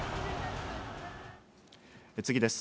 次です。